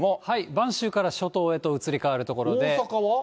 晩秋から初冬へと移り変わるところで。